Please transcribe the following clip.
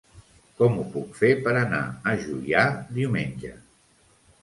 Com ho puc fer per anar a Juià diumenge?